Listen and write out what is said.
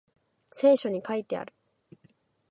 聖書に書いてある